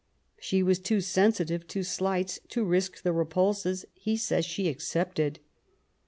She was too sensitive to slights to risk the repulses he says she accepted.